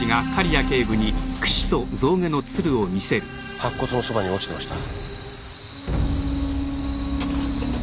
白骨のそばに落ちてました。